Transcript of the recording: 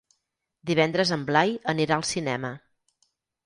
Divendres en Blai anirà al cinema.